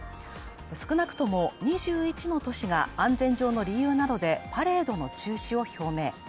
少なくとも２１の都市が安全上の理由などでパレードの中止を表明。